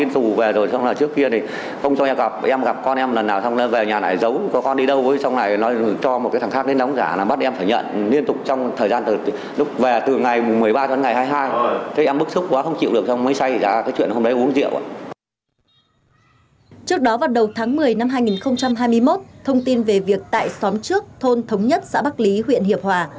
trước đó vào đầu tháng một mươi năm hai nghìn hai mươi một thông tin về việc tại xóm trước thôn thống nhất xã bắc lý huyện hiệp hòa